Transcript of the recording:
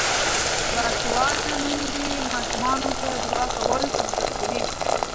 باسواده میندې ماشومانو ته دعا کول ور زده کوي.